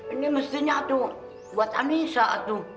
ini mestinya atuk buat anissa atuk